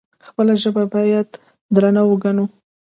خپله ژبه باید درنه وګڼو.